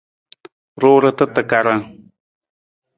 Ruurata takarang.